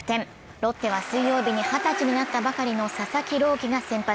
ロッテは水曜日に二十歳になったばかりの佐々木朗希が先発。